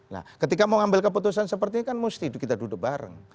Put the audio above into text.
nah ketika mau ngambil keputusan seperti ini kan mesti kita duduk bareng